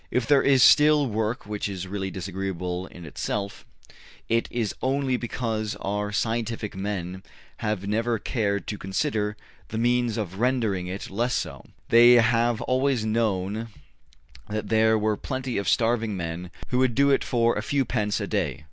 If there is still work which is really disagreeable in itself, it is only because our scientific men have never cared to consider the means of rendering it less so: they have always known that there were plenty of starving men who would do it for a few pence a day.''